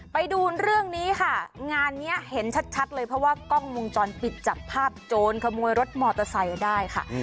ไปดูเรื่องนี้ค่ะงานนี้เห็นชัดเลยเพราะว่ากล้องวงจรปิดจับภาพโจรขโมยรถมอเตอร์ไซค์ได้ค่ะ